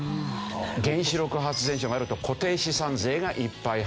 原子力発電所があると固定資産税がいっぱい入る。